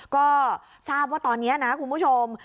ก็ทราบว่าตอนนี้นะคุณผู้ชม